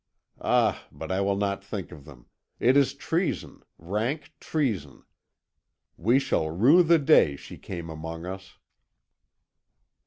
Ah, but I will not think of them; it is treason, rank treason! We shall rue the day she came among us."